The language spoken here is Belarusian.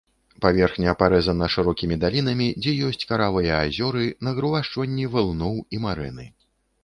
Паверхня парэзана шырокімі далінамі, дзе ёсць каравыя азёры, нагрувашчванні валуноў і марэны.